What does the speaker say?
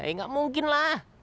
ya gak mungkin lah